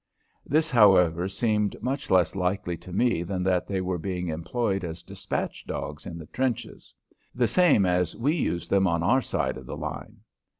This, however, seemed much less likely to me than that they were being employed as despatch dogs in the trenches, the same as we use them on our side of the line.